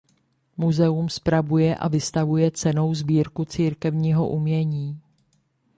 Muzeum spravuje a vystavuje cennou sbírku církevního umění.